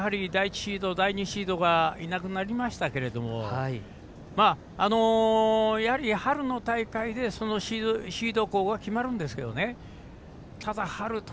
やはり第１シード第２シードがいなくなりましたけども春の大会でシード校が決まるんですけどね。